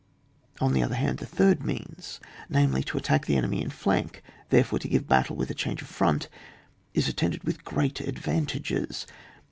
On the other hand, the third means, namely to attack the enemy in flank, therefore to give battle with a change of front, is attended with g^eat advantages.